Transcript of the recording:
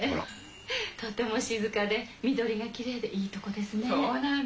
とてもしずかでみどりがきれいでいいとこですね。